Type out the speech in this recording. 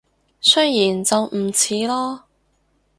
雖然就唔似囉